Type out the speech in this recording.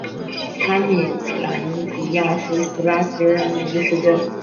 拉米兰迪亚是巴西巴拉那州的一个市镇。